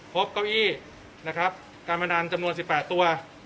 พบเก้าอี้การพนันจำนวน๑๘ตัว